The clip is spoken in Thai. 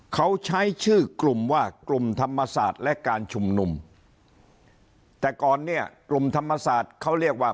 เขาใช้ชื่อกลุ่มว่ากลุ่มธรรมศาสตร์และการชุมนุมแต่ก่อนเนี่ยกลุ่มธรรมศาสตร์เขาเรียกว่า